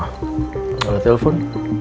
wah nggak ada telepon